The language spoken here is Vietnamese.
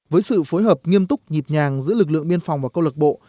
với sự phối hợp nghiêm túc nhịp nhàng giữa lực lượng biên phòng và câu lạc bộ